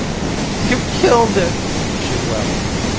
"You've killed it," she wept.